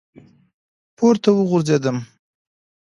پـورتـه وغورځـېدم ،